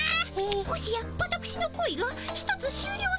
もしやわたくしのこいが１つしゅうりょうするとか。